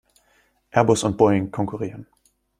Airbus und Boeing konkurrieren.